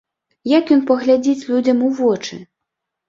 Як ён паглядзіць людзям у вочы?